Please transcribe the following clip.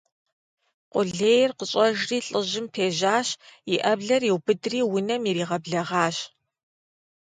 Къулейр къыщӀэжри лӀыжьым пежэжьащ, и Ӏэблэр иубыдри унэм иригъэблэгъащ.